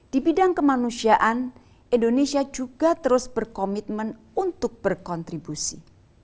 di bidang kemanusiaan indonesia juga terus berkomitmen untuk berkontribusi